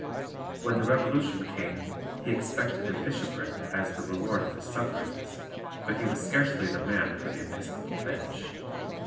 When the Revolution came he expected a bishopric as the reward of his sufferings; but he was scarcely the man for the episcopal bench.